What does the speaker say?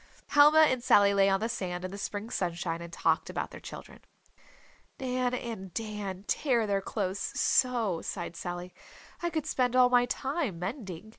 Helma and Sally lay on the sand in the spring sunshine and talked about their children. "Nan and Dan tear their clothes so," sighed Sally, "I could spend all my time mending."